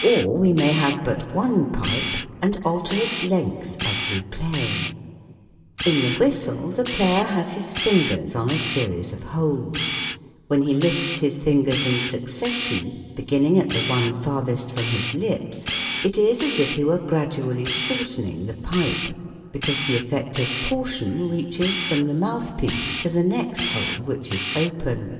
Or we may have but one pipe and alter its length as we play. In the whistle the player has his fingers on a series of holes ; when he lifts his fingers in succession, beginning at the one farthest from his lips, it is as if he were gradually shorten ing the pipe, because the effective portion reaches from the mouthpiece to the next hole which is FIG.